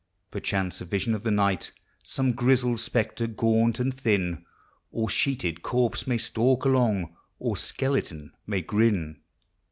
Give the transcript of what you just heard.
Perchance a vision of the night, Some grizzled spectre, gaunt and thin, Or sheeted corpse, may stalk along, Or skeleton may grin.